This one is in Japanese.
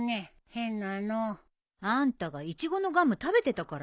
変なの。あんたがイチゴのガム食べてたからよ。